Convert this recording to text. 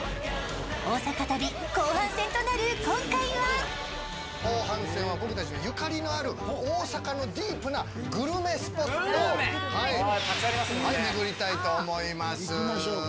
大阪旅後半戦となる今回は後半戦は僕たちのゆかりのある大阪のディープなグルメスポットを巡りたいと思います。